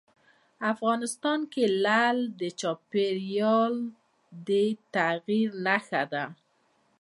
افغانستان کې لعل د چاپېریال د تغیر نښه ده.